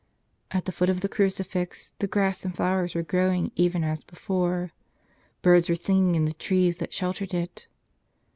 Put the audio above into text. At the foot of the crucifix the grass and the flowers were growing even as before. Birds were singing in the trees that sheltered it.